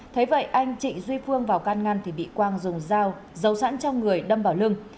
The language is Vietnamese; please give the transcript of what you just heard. thế vậy anh trịnh duy phương vào can ngăn thì bị quang dùng dao giấu sẵn trong người đâm vào lưng